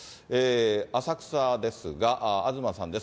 浅草ですが、東さんです。